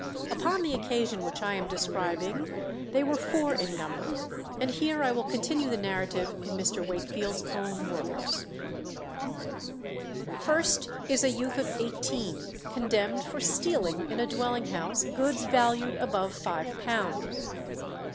Upon the occasion which I am describing they were four in number; and here I will continue the narrative in Mr. Wakefield's own words: "First is a youth of eighteen, condemned for stealing in a dwelling house goods valued above five pounds.